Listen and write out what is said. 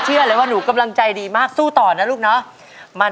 เชื่อเลยว่าหนูกำลังใจดีมากสู้ต่อนะลูกเนาะ